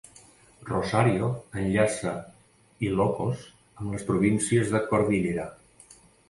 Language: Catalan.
Rosario enllaça Ilocos amb les províncies de Cordillera.